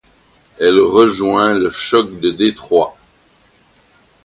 Elle rejoint le Shock de Détroit.